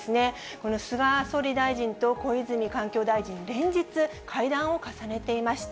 この菅総理大臣と小泉環境大臣、連日、会談を重ねていました。